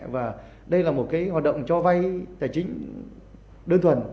và đây là một cái hoạt động cho vay tài chính đơn thuần